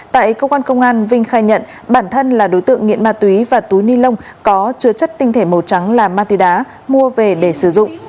tại cơ quan công an vinh khai nhận bản thân là đối tượng nghiện ma túy và túi ni lông có chứa chất tinh thể màu trắng là ma túy đá mua về để sử dụng